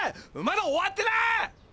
まだ終わってない！